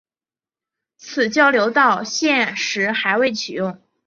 此交流道现时还未启用。